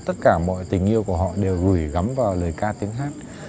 tất cả mọi tình yêu của họ đều gửi gắm vào lời ca tiếng hát